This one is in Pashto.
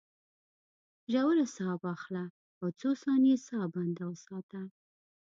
ژوره ساه واخله او څو ثانیې ساه بنده وساته.